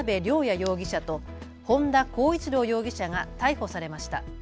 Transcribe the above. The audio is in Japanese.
容疑者と本田孝一朗容疑者が逮捕されました。